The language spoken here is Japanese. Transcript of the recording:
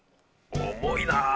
重いな。